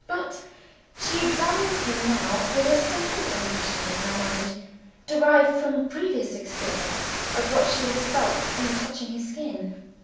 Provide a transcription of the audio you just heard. But she examines him now with a settled impression in her mind, derived from previous experience of what she has felt in touching his skin.